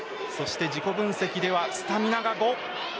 自己分析ではスタミナが５。